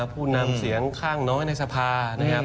ผู้นำเสียงข้างน้อยในสภา